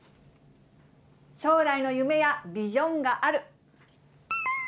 将来の夢やビジョンがある。